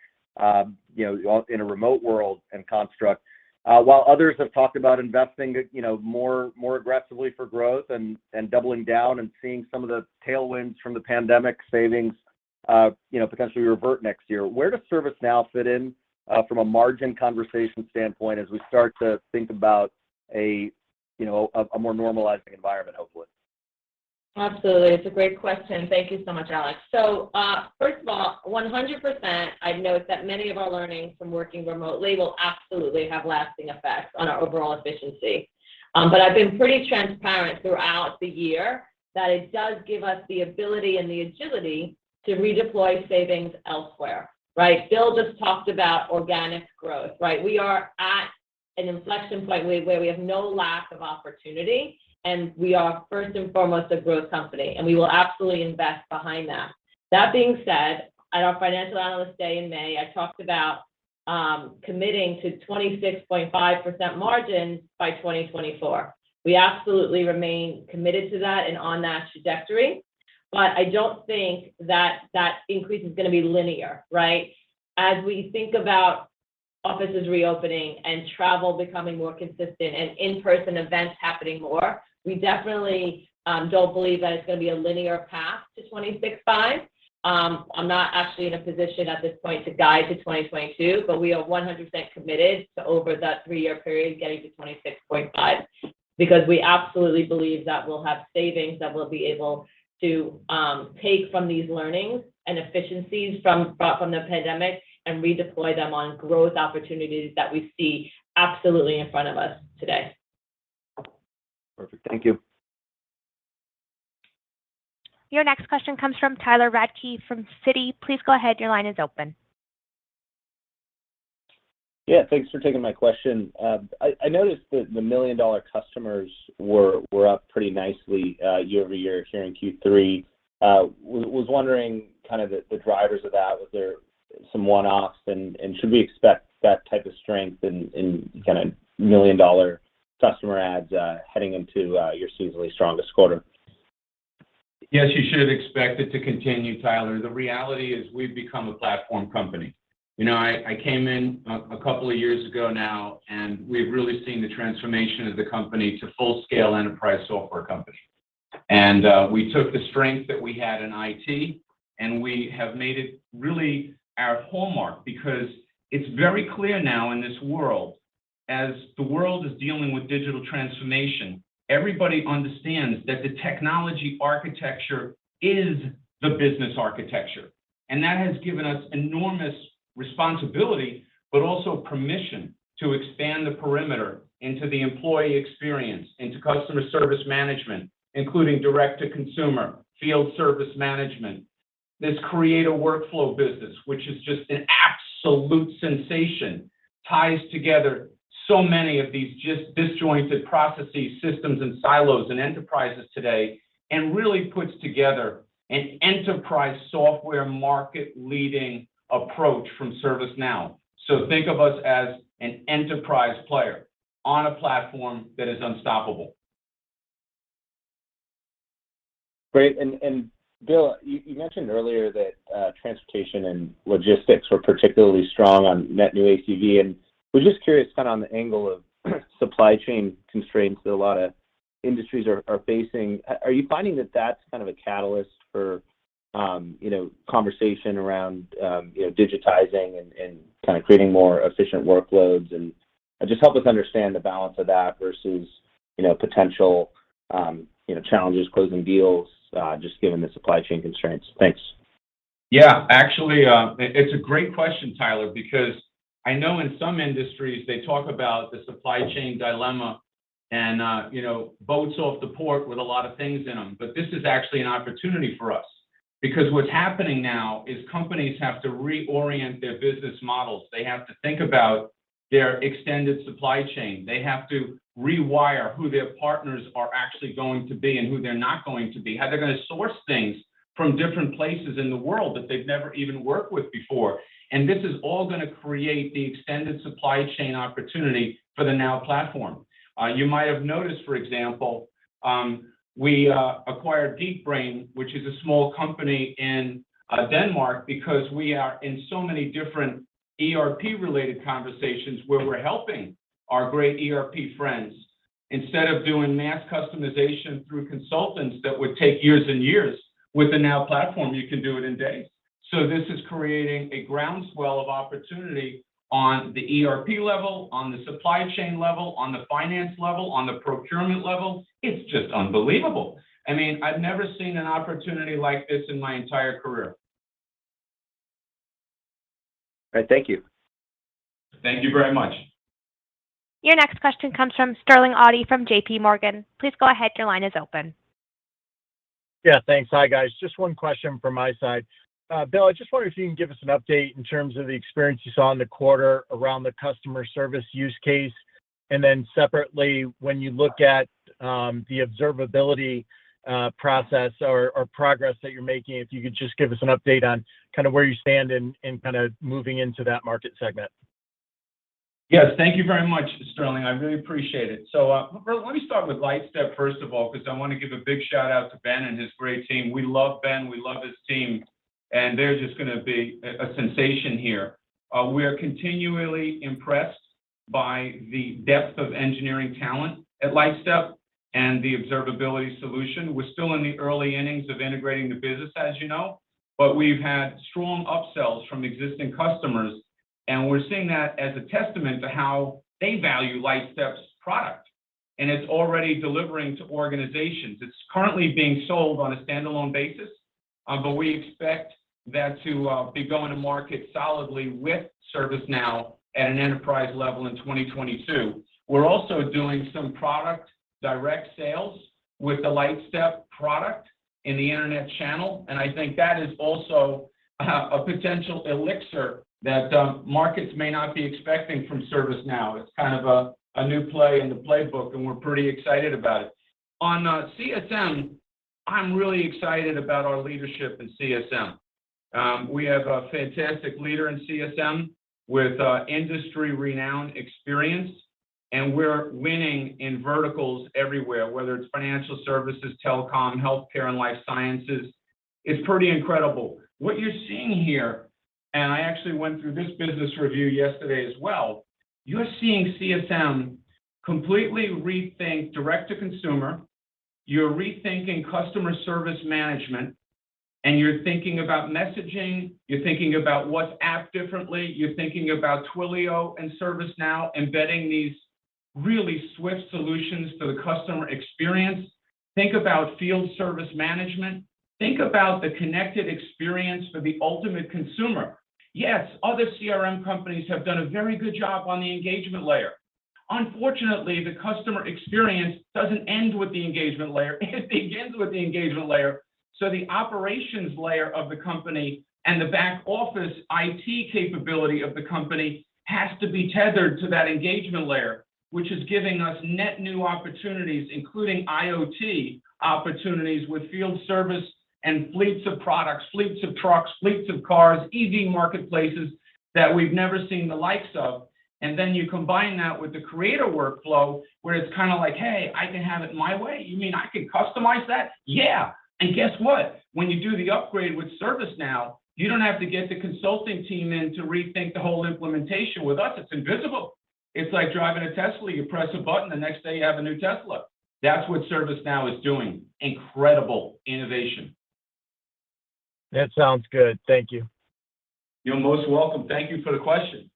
you know, all in a remote world and construct. While others have talked about investing, you know, more aggressively for growth and doubling down and seeing some of the tailwinds from the pandemic savings, you know, potentially revert next year. Where does ServiceNow fit in from a margin conversation standpoint as we start to think about a, you know, more normalizing environment, hopefully? Absolutely. It's a great question. Thank you so much, Alex. So, first of all, 100%, I've noticed that many of our learnings from working remotely will absolutely have lasting effects on our overall efficiency. But I've been pretty transparent throughout the year that it does give us the ability and the agility to redeploy savings elsewhere, right? Bill just talked about organic growth, right? We are at an inflection point where we have no lack of opportunity, and we are first and foremost a growth company, and we will absolutely invest behind that. That being said, at our financial analyst day in May, I talked about committing to 26.5% margin by 2024. We absolutely remain committed to that and on that trajectory. I don't think that increase is gonna be linear, right? As we think about offices reopening and travel becoming more consistent and in-person events happening more, we definitely don't believe that it's gonna be a linear path to 26.5%. I'm not actually in a position at this point to guide to 2022, but we are 100% committed to over that three-year period getting to 26.5%. Because we absolutely believe that we'll have savings that we'll be able to take from these learnings and efficiencies from the pandemic and redeploy them on growth opportunities that we see absolutely in front of us today. Perfect. Thank you. Your next question comes from Tyler Radke from Citi. Please go ahead. Your line is open. Yeah. Thanks for taking my question. I noticed that the million-dollar customers were up pretty nicely year-over-year here in Q3. I was wondering kind of the drivers of that. Was there some one-offs, and should we expect that type of strength in kind of million-dollar customer adds heading into your seasonally strongest quarter? Yes, you should expect it to continue, Tyler. The reality is we've become a platform company. You know, I came in a couple of years ago now, and we've really seen the transformation of the company to full-scale enterprise software company. We took the strength that we had in IT, and we have made it really our hallmark because it's very clear now in this world, as the world is dealing with digital transformation, everybody understands that the technology architecture is the business architecture. That has given us enormous responsibility, but also permission to expand the perimeter into the employee experience, into Customer Service Management, including direct to consumer, Field Service Management. This creates a workflow business, which is just an absolute sensation, ties together so many of these just disjointed processes, systems, and silos in enterprises today and really puts together an enterprise software market-leading approach from ServiceNow. Think of us as an enterprise player on a platform that is unstoppable. Great. Bill, you mentioned earlier that transportation and logistics were particularly strong on net new ACV. We're just curious kinda on the angle of supply chain constraints that a lot of industries are facing. Are you finding that that's kind of a catalyst for you know conversation around you know digitizing and kinda creating more efficient workloads? Just help us understand the balance of that versus you know potential you know challenges closing deals just given the supply chain constraints. Thanks. Actually, it's a great question, Tyler, because I know in some industries they talk about the supply chain dilemma and, you know, boats off the port with a lot of things in them. This is actually an opportunity for us because what's happening now is companies have to reorient their business models. They have to think about their extended supply chain. They have to rewire who their partners are actually going to be and who they're not going to be, how they're gonna source things from different places in the world that they've never even worked with before. This is all gonna create the extended supply chain opportunity for the Now Platform. You might have noticed, for example, we acquired Gekkobrain, which is a small company in Denmark because we are in so many different ERP-related conversations where we're helping our great ERP friends. Instead of doing mass customization through consultants that would take years and years, with the Now Platform, you can do it in days. This is creating a groundswell of opportunity on the ERP level, on the supply chain level, on the finance level, on the procurement level. It's just unbelievable. I mean, I've never seen an opportunity like this in my entire career. All right, thank you. Thank you very much. Your next question comes from Sterling Auty from JPMorgan. Please go ahead, your line is open. Yeah, thanks. Hi, guys. Just one question from my side. Bill, I just wonder if you can give us an update in terms of the experience you saw in the quarter around the customer service use case. Separately, when you look at the observability process or progress that you're making, if you could just give us an update on kinda where you stand and kinda moving into that market segment. Yes. Thank you very much, Sterling. I really appreciate it. Let me start with Lightstep, first of all, 'cause I wanna give a big shout-out to Ben and his great team. We love Ben, we love his team, and they're just gonna be a sensation here. We're continually impressed by the depth of engineering talent at Lightstep and the observability solution. We're still in the early innings of integrating the business, as you know, but we've had strong upsells from existing customers, and we're seeing that as a testament to how they value Lightstep's product, and it's already delivering to organizations. It's currently being sold on a standalone basis, but we expect that to be going to market solidly with ServiceNow at an enterprise level in 2022. We're also doing some product direct sales with the Lightstep product in the internet channel, and I think that is also a potential elixir that markets may not be expecting from ServiceNow. It's kind of a new play in the playbook, and we're pretty excited about it. On CSM, I'm really excited about our leadership in CSM. We have a fantastic leader in CSM with industry-renowned experience, and we're winning in verticals everywhere, whether it's financial services, telecom, healthcare, and life sciences. It's pretty incredible. What you're seeing here, and I actually went through this business review yesterday as well, you're seeing CSM completely rethink direct to consumer, you're rethinking Customer Service Management, and you're thinking about messaging, you're thinking about WhatsApp differently, you're thinking about Twilio and ServiceNow embedding these really swift solutions to the customer experience. Think about Field Service Management. Think about the connected experience for the ultimate consumer. Yes, other CRM companies have done a very good job on the engagement layer. Unfortunately, the customer experience doesn't end with the engagement layer, it begins with the engagement layer. The operations layer of the company and the back office IT capability of the company has to be tethered to that engagement layer, which is giving us net new opportunities, including IoT opportunities with field service and fleets of products, fleets of trucks, fleets of cars, EV marketplaces, that we've never seen the likes of. You combine that with the Creator Workflows, where it's kinda like, "Hey, I can have it my way. You mean I can customize that?" Yeah. Guess what? When you do the upgrade with ServiceNow, you don't have to get the consulting team in to rethink the whole implementation. With us, it's invisible. It's like driving a Tesla. You press a button, the next day you have a new Tesla. That's what ServiceNow is doing. Incredible innovation. That sounds good. Thank you. You're most welcome. Thank you for the question.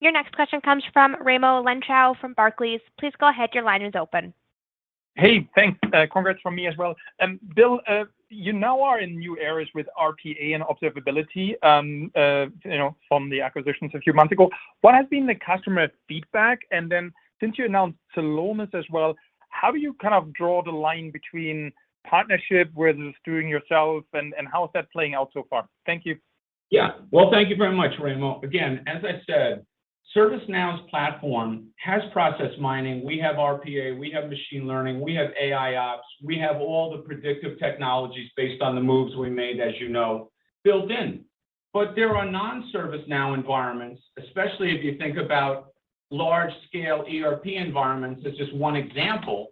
Your next question comes from Raimo Lenschow from Barclays. Please go ahead, your line is open. Hey, thanks. Congrats from me as well. Bill, you now are in new areas with RPA and observability, you know, from the acquisitions a few months ago. What has been the customer feedback? Since you announced Celonis as well, how do you kind of draw the line between partnership versus doing yourselves, and how is that playing out so far? Thank you. Yeah. Well, thank you very much, Raimo. Again, as I said, ServiceNow's platform has process mining. We have RPA, we have machine learning, we have AIOps, we have all the predictive technologies based on the moves we made, as you know, built in. There are non-ServiceNow environments, especially if you think about large scale ERP environments, as just one example,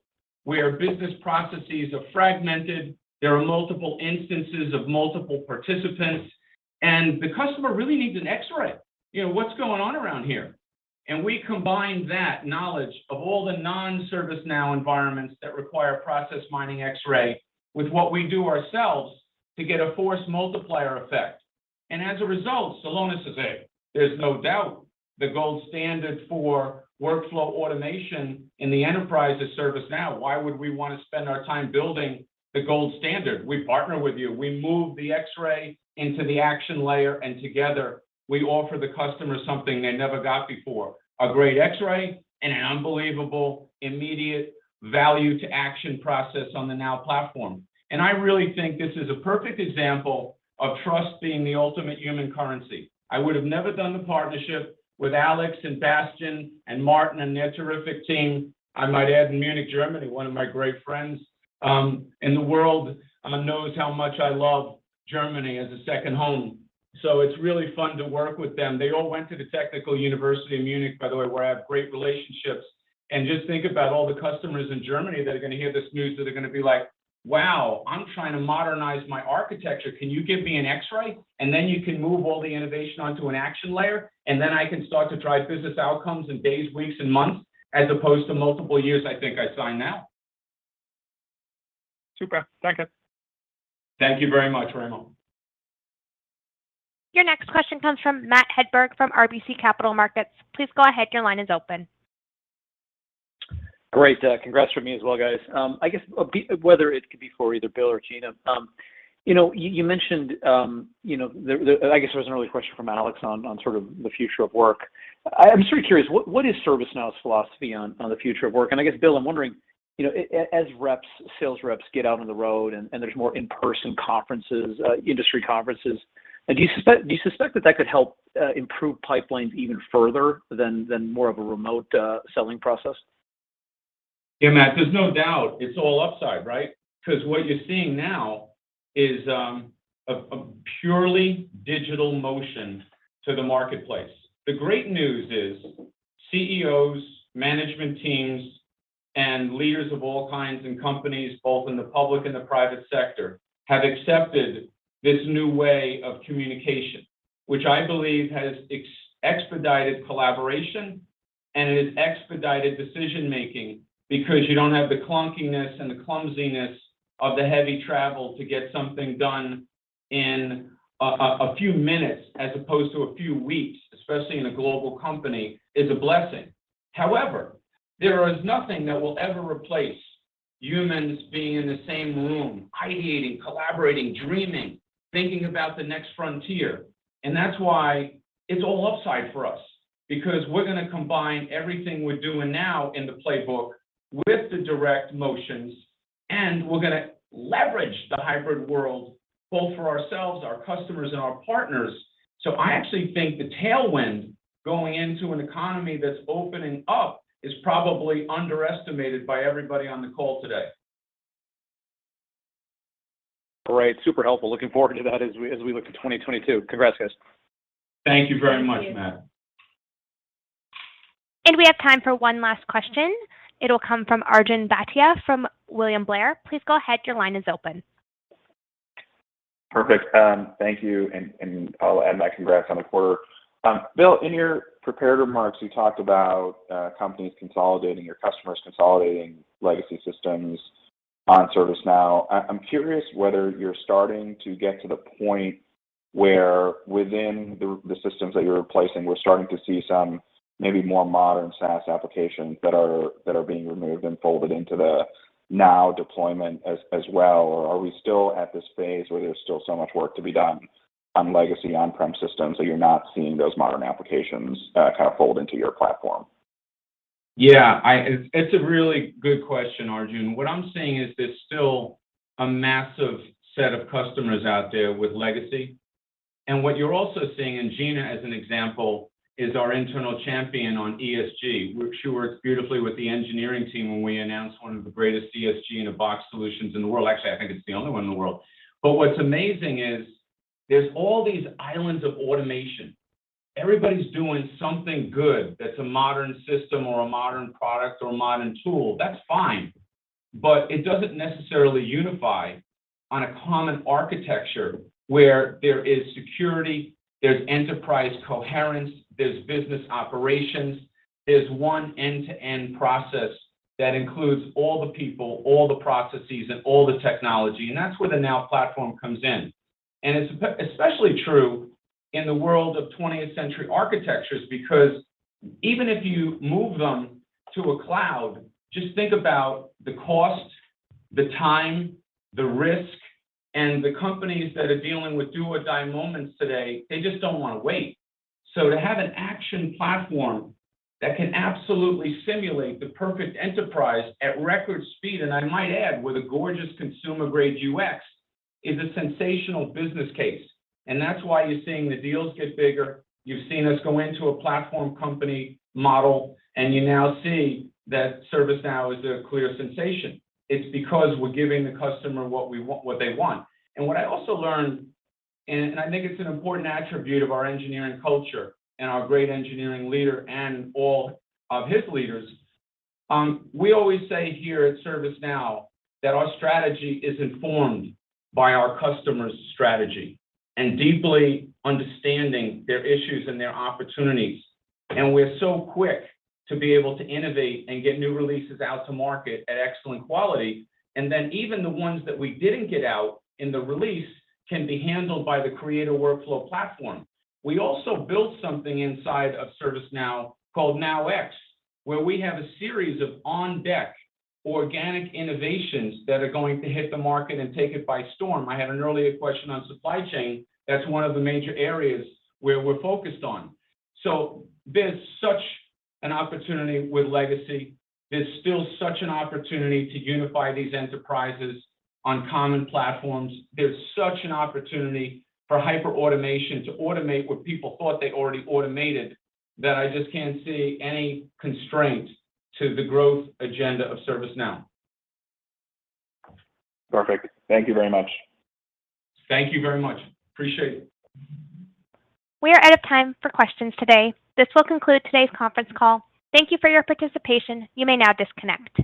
where business processes are fragmented, there are multiple instances of multiple participants, and the customer really needs an x-ray. You know, what's going on around here? We combine that knowledge of all the non-ServiceNow environments that require process mining x-ray with what we do ourselves to get a force multiplier effect. As a result, Celonis is it. There's no doubt the gold standard for workflow automation in the enterprise is ServiceNow. Why would we wanna spend our time building the gold standard? We partner with you. We move the X-ray into the action layer, and together we offer the customer something they never got before, a great X-ray and an unbelievable immediate value to action process on the Now Platform. I really think this is a perfect example of trust being the ultimate human currency. I would have never done the partnership with Alex and Bastian and Martin and their terrific team, I might add, in Munich, Germany, one of my great friends in the world knows how much I love Germany as a second home. It's really fun to work with them. They all went to the Technical University of Munich, by the way, where I have great relationships. Just think about all the customers in Germany that are gonna be like, "Wow, I'm trying to modernize my architecture. Can you give me an X-ray? You can move all the innovation onto an action layer, and then I can start to drive business outcomes in days, weeks, and months, as opposed to multiple years. I think I'd sign now." Super. Thank you. Thank you very much, Raimo. Your next question comes from Matt Hedberg from RBC Capital Markets. Please go ahead, your line is open. Great. Congrats from me as well, guys. I guess whether it could be for either Bill or Gina, you know, you mentioned, you know, the I guess it was an early question from Alex on sort of the future of work. I'm just really curious, what is ServiceNow's philosophy on the future of work? I guess, Bill, I'm wondering, you know, as reps, sales reps get out on the road and there's more in-person conferences, industry conferences, do you suspect that that could help improve pipelines even further than more of a remote selling process? Yeah, Matt, there's no doubt it's all upside, right? 'Cause what you're seeing now is a purely digital motion to the marketplace. The great news is CEOs, management teams, and leaders of all kinds, and companies both in the public and the private sector, have accepted this new way of communication, which I believe has expedited collaboration and it has expedited decision-making because you don't have the clunkiness and the clumsiness of the heavy travel to get something done in a few minutes as opposed to a few weeks, especially in a global company, is a blessing. However, there is nothing that will ever replace humans being in the same room, ideating, collaborating, dreaming, thinking about the next frontier, and that's why it's all upside for us, because we're gonna combine everything we're doing now in the playbook with the direct motions, and we're gonna leverage the hybrid world both for ourselves, our customers, and our partners. I actually think the tailwind going into an economy that's opening up is probably underestimated by everybody on the call today. Great. Super helpful. Looking forward to that as we look to 2022. Congrats, guys. Thank you very much, Matt. We have time for one last question. It'll come from Arjun Bhatia from William Blair. Please go ahead, your line is open. Perfect. Thank you, and I'll add my congrats on the quarter. Bill, in your prepared remarks, you talked about companies consolidating, your customers consolidating legacy systems on ServiceNow. I'm curious whether you're starting to get to the point where within the systems that you're replacing, we're starting to see some maybe more modern SaaS applications that are being removed and folded into the Now deployment as well. Or are we still at this phase where there's still so much work to be done on legacy on-prem systems that you're not seeing those modern applications kind of fold into your platform? It's a really good question, Arjun. What I'm saying is there's still a massive set of customers out there with legacy, and what you're also seeing, and Gina, as an example, is our internal champion on ESG. She works beautifully with the engineering team when we announced one of the greatest ESG in a box solutions in the world. Actually, I think it's the only one in the world. What's amazing is there's all these islands of automation. Everybody's doing something good that's a modern system or a modern product or a modern tool. That's fine, but it doesn't necessarily unify on a common architecture where there is security, there's enterprise coherence, there's business operations, there's one end-to-end process that includes all the people, all the processes, and all the technology, and that's where the Now Platform comes in. It's especially true in the world of 20th-century architectures because even if you move them to a cloud, just think about the cost, the time, the risk. The companies that are dealing with do or die moments today, they just don't wanna wait. To have an action platform that can absolutely simulate the perfect enterprise at record speed, and I might add with a gorgeous consumer-grade UX, is a sensational business case. That's why you're seeing the deals get bigger, you've seen us go into a platform company model, and you now see that ServiceNow is a clear sensation. It's because we're giving the customer what they want. What I also learned, and I think it's an important attribute of our engineering culture and our great engineering leader and all of his leaders, we always say here at ServiceNow that our strategy is informed by our customers' strategy and deeply understanding their issues and their opportunities. We're so quick to be able to innovate and get new releases out to market at excellent quality, and then even the ones that we didn't get out in the release can be handled by the Creator Workflows platform. We also built something inside of ServiceNow called NowX, where we have a series of on-deck organic innovations that are going to hit the market and take it by storm. I had an earlier question on supply chain. That's one of the major areas where we're focused on. There's such an opportunity with legacy. There's still such an opportunity to unify these enterprises on common platforms. There's such an opportunity for hyperautomation to automate what people thought they already automated, that I just can't see any constraint to the growth agenda of ServiceNow. Perfect. Thank you very much. Thank you very much. Appreciate it. We are out of time for questions today. This will conclude today's conference call. Thank you for your participation. You may now disconnect.